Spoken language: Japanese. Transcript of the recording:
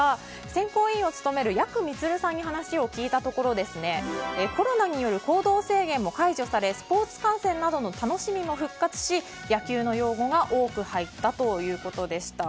選考委員を務めるやくみつるさんに話を聞いたところコロナによる行動制限も解除されスポーツ観戦などの楽しみも復活し野球の用語が多く入ったということでした。